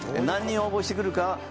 何人応募してくるか